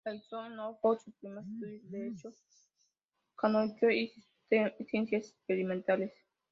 Realizó en Oxford sus primeros estudios, derecho canónico y ciencias experimentales.